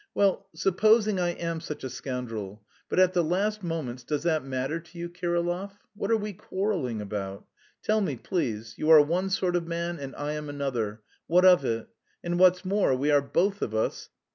"Well, supposing I am such a scoundrel. But at the last moments does that matter to you, Kirillov? What are we quarrelling about? Tell me, please. You are one sort of man and I am another what of it? And what's more, we are both of us..."